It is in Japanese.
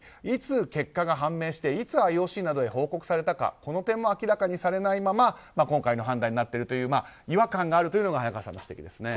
いつ結果が判明していつＩＯＣなどに報告されたのかこの点も明らかにされないまま今回の判断になっているという違和感があるというのが早川さんの指摘です。